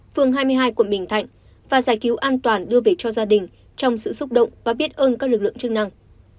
phường hai mươi hai quận bình thạnh và giải cứu an toàn đưa về cho gia đình trong sự xúc động và biết ơn các lực lượng chức năng